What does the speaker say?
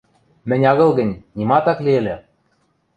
Мӹнь агыл гӹнь, нимат ак ли ыльы!